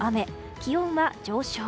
気温が上昇。